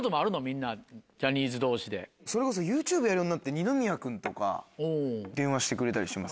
それこそＹｏｕＴｕｂｅやるようになって二宮君とか電話してくれたりします。